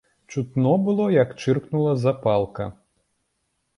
Чутно было, як чыркнула запалка.